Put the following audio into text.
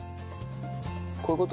こういう事？